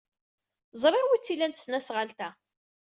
Ẓriɣ wi tt-ilan tesnasɣalt-a.